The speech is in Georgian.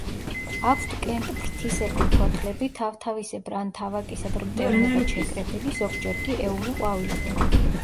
აქვთ კენტფრთისებრი ფოთლები, თავთავისებრ ან თავაკისებრ მტევნებად შეკრებილი, ზოგჯერ კი ეული ყვავილები.